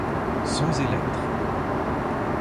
Sons et lettres.